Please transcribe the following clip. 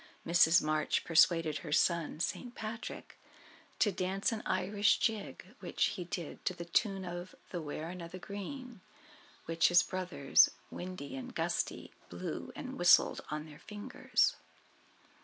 Mrs. March persuaded her son, St. Patrick, to dance an Irish Jig, which he did to the tune of the "Wearing of the Green," which his brothers, Windy and Gusty, blew and whistled on their fingers.